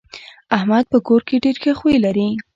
احمد په کور کې ډېر ښه خوی لري.